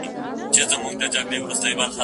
پرېږده په نغمو کي د بېړۍ د ډوبېدو کیسه